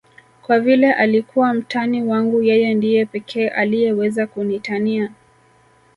Kwa vile alikuwa mtani wangu yeye ndiye pekee aliyeweza kunitania